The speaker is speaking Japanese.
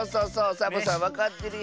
サボさんわかってるやん。